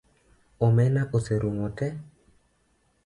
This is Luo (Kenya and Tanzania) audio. Omena oserumo te